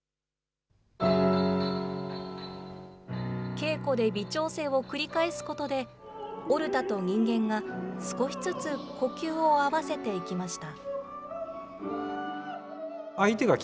稽古で微調整を繰り返すことで、オルタと人間が少しずつ呼吸を合わせていきました。